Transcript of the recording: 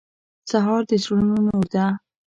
سهار د زړونو نور ده.